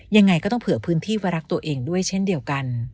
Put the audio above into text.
ยังไงก็ต้องเผื่อพื้นที่ไว้รักตัวเองด้วยเช่นเดียวกัน